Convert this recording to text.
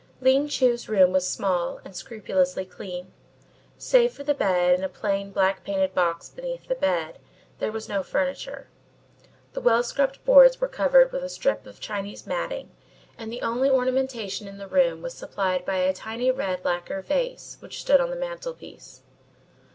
Ling Chu's room was small and scrupulously clean. Save for the bed and a plain black painted box beneath the bed, there was no furniture. The well scrubbed boards were covered with a strip of Chinese matting and the only ornamentation in the room was supplied by a tiny red lacquer vase which stood on the mantelpiece.